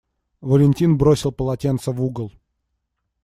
Валентин бросил полотенце в угол.